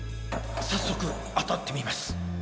早速当たってみます。